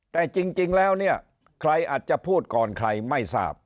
แต่จริงแล้วเนี่ยใครอาจจะพูดก่อนใครไม่ทราบ